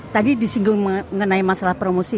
tadi disinggung mengenai masalah promosi